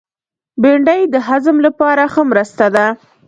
بېنډۍ د هضم لپاره ښه مرسته ده